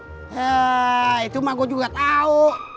he itu mah gua juga tau